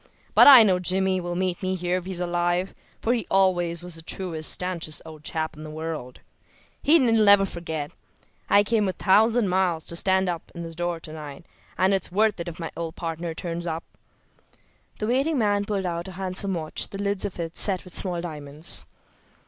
But I know Jimmy will meet me here if he's alive, for he always was the truest, stanchest old chap in the world. He'll never forget. I came a thousand miles to stand in this door to night, and it's worth it if my old partner turns up." The waiting man pulled out a handsome watch, the lids of it set with small diamonds.